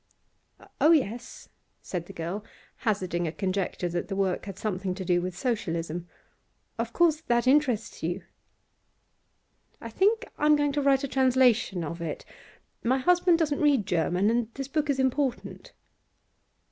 'Oh yes,' said the girl, hazarding a conjecture that the work had something to do with Socialism. 'Of course that interests you.' 'I think I'm going to write a translation of it. My husband doesn't read German, and this book is important.